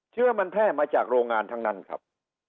เชื้อมันแพร่มาจากโรงงานทั้งนั้นครับ